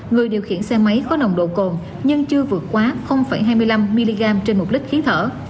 người điều khiển xe máy có nồng độ cồn nhưng chưa vượt quá hai mươi năm mg trên một lít khí thở